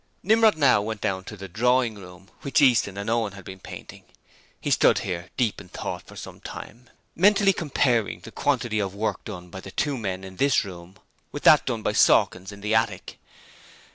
Nimrod now went down to the drawing room, which Easton and Owen had been painting. He stood here deep in thought for some time, mentally comparing the quantity of work done by the two men in this room with that done by Sawkins in the attics.